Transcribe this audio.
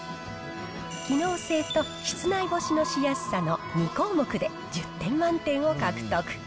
機能性と室内干しのしやすさの２項目で１０点満点を獲得。